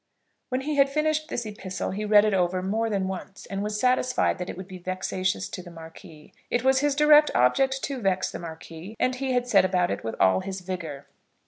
When he had finished his epistle he read it over more than once, and was satisfied that it would be vexatious to the Marquis. It was his direct object to vex the Marquis, and he had set about it with all his vigour.